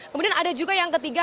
kemudian ada juga yang ketiga